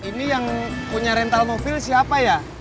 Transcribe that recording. ini yang punya rental mobil siapa ya